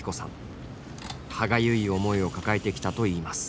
歯がゆい思いを抱えてきたといいます。